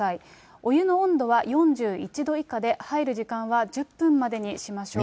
お湯の温度は４１度以下で、入る時間は１０分までにしましょう。